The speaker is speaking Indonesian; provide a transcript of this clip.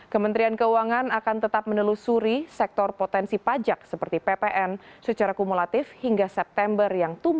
kementerian keuangan akan tetap menelusuri sektor potensi pajak seperti ppn secara kumulatif hingga september yang tumbuh